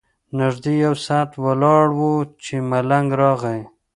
نږدې یو ساعت ولاړ وو چې ملنګ راغی.